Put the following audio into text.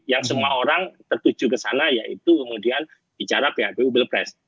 yang semua orang tertuju ke sana yaitu kemudian bicara phpu pilpres